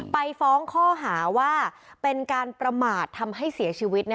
ไปฟ้องข้อหาว่าเป็นการประมาททำให้เสียชีวิต